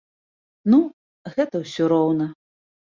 Ну, гэта ўсё роўна.